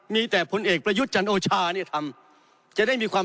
มีแต่ผลเอกประยุทธ์จันโอชาเนี่ยทำจะได้มีความ